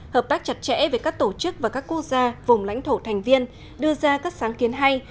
hợp tác chặt chẽ với các tổ chức và các quốc gia vùng lãnh thổ thành viên đưa ra các sáng kiến hay